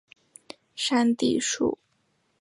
山地树鼩为婆罗洲特有的树鼩属物种。